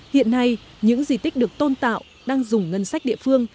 hiện nay những di tích được tôn tạo đang dùng ngân sách địa phương